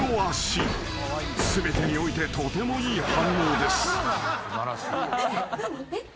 ［全てにおいてとてもいい反応です］えっ？